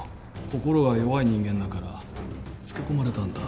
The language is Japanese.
心が弱い人間だから付け込まれたんだ。